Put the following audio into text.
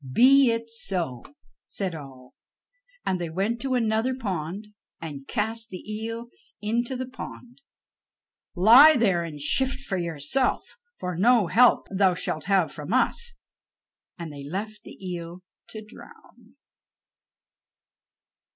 "Be it so," said all. And they went to another pond, and cast the eel into the pond. "Lie there and shift for yourself, for no help thou shalt have from us"; and they left the eel to drown.